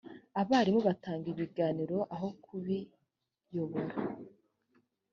abarimu batanga ibiganiro aho kubiyobora